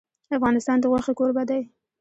افغانستان د غوښې کوربه دی.